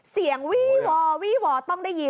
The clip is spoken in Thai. เสียงวีวอต้องได้ยิน